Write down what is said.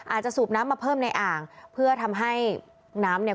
สูบน้ำมาเพิ่มในอ่างเพื่อทำให้น้ำเนี่ย